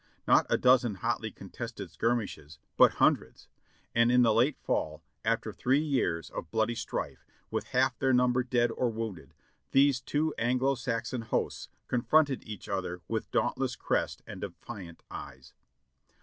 Not a dozen hotly con tested skirmishes, but hundreds ; and in the late fall, after three years of bloody strife, with half their number dead or wounded, these two Anglo Saxon hosts confronted each other with dauntless crest and defiant eyes.